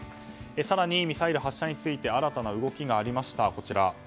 更にミサイル発射について新たな動きがありました。